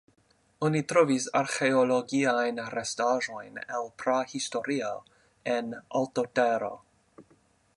Oni trovis arkeologiajn restaĵojn el Prahistorio en Altotero.